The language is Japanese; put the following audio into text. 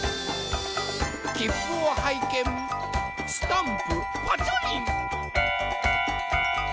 きっぷをはいけんスタンプパチョリン。